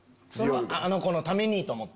あの子のためにと思って。